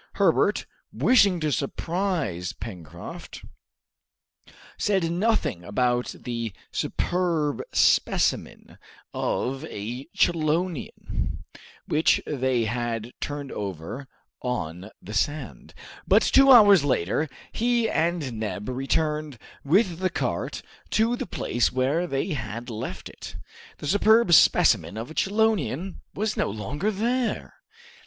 Herbert, wishing to surprise Pencroft, said nothing about the "superb specimen of a chelonian" which they had turned over on the sand; but, two hours later, he and Neb returned with the cart to the place where they had left it. The "superb specimen of a chelonian" was no longer there!